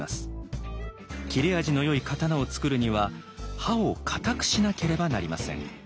切れ味のよい刀を作るには刃を硬くしなければなりません。